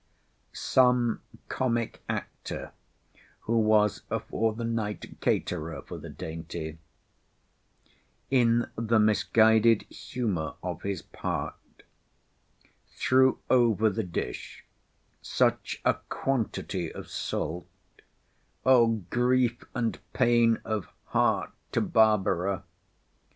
some comic actor, who was for the night caterer for this dainty—in the misguided humour of his part, threw over the dish such a quantity of salt (O grief and pain of heart to Barbara!)